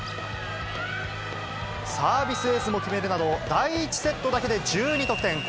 サービスエースも決めるなど、第１セットだけで１２得点。